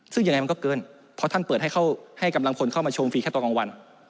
ซึ่งยังไงมันก็เกินเพราะท่านเปิดให้กำลังพลเข้ามาชมฟรีแค่ตอนกลางวัน